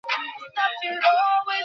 ও শিকাগোতে রয়েছে।